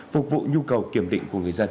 phục vụ nhu cầu kiểm định của người dân